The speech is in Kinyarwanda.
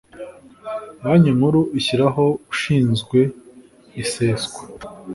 banki nkuru ishyiraho ushinzwe iseswa